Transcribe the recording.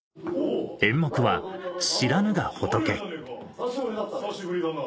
久しぶりだったな。